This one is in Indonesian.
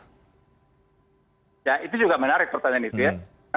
ya itu juga menarik pertanyaan itu ya